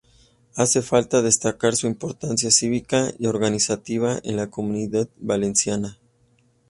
Hace falta destacar su importancia cívica y organizativa en la Comunitat Valenciana.